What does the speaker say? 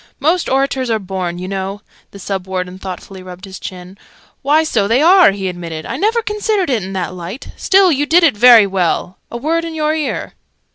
"Most orators are born, you know." The Sub Warden thoughtfully rubbed his chin. "Why, so they are!" he admitted. "I never considered it in that light. Still, you did it very well. A word in your ear!"